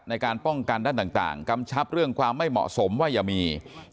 ในการป้องกันด้านต่างกำชับเรื่องความไม่เหมาะสมว่าอย่ามี